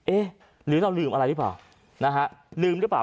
เอ๊ะหรือเราลืมอะไรหรือเปล่า